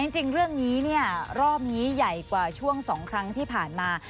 จริงเรื่องนี้เนี่ยรอบนี้ใหญ่กว่าช่วง๒ครั้งที่ผ่านมา